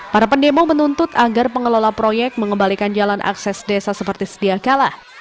para pendemo menuntut agar pengelola proyek mengembalikan jalan akses desa seperti sedia kalah